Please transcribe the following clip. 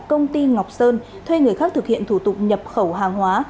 công ty ngọc sơn thuê người khác thực hiện thủ tục nhập khẩu hàng hóa